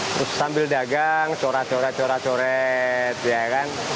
terus sambil dagang corak corak corak coret ya kan